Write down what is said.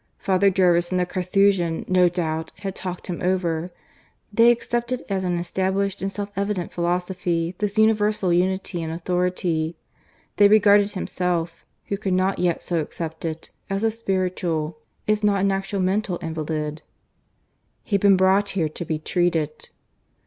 Father Jervis and the Carthusian no doubt had talked him over; they accepted as an established and self evident philosophy this universal unity and authority; they regarded himself, who could not yet so accept it, as a spiritual, if not an actual mental invalid. ... He had been brought here to be treated.